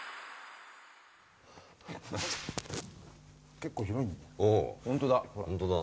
結構広いんだよ。